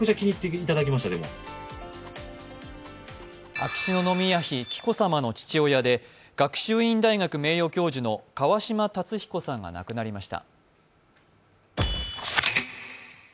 秋篠宮妃・紀子さまの父親で学習院大学名誉教授の川嶋辰彦さんが亡くなりました。